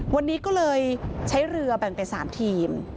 วันนี้ก็เลยใช้เรือแบ่งเป็น๓ทีม